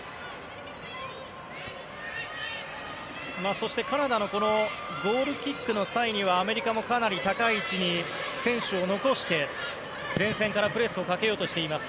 そしてカナダのゴールキックの際にはアメリカもかなり高い位置に選手を残して前線からプレスをかけようとしています。